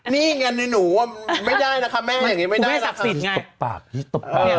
นี่ไงนี่หนูไม่ได้นะคะแม่อย่างงี้ไม่ได้นะคะคุณแม่ศักดิ์สิทธิ์ไงตบปากตบปาก